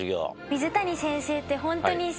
水谷先生ってホントに。